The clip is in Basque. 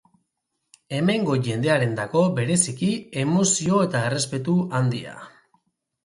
Hemengo jendearendako, bereziki, emozio eta errespetu handia.